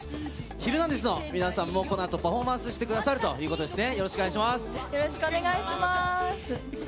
ヒルナンデス！の皆さんも、このあとパフォーマンスしてくださるということですね。